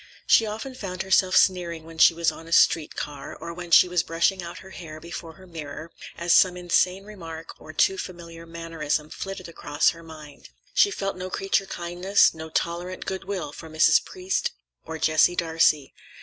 She often found herself sneering when she was on a street car, or when she was brushing out her hair before her mirror, as some inane remark or too familiar mannerism flitted across her mind. She felt no creature kindness, no tolerant good will for Mrs. Priest or Jessie Darcey.